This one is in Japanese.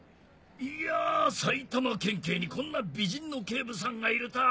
いや埼玉県警にこんな美人の警部さんがいるとは。